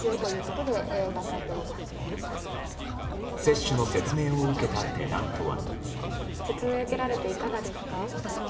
接種の説明を受けたテナントは。